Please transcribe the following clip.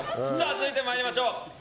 続いて参りましょう。